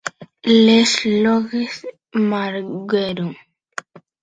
Les Loges-Margueron